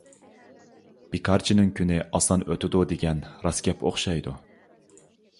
بىكارچىنىڭ كۈنى ئاسان ئۆتىدۇ، دېگەن راست گەپ ئوخشايدۇ.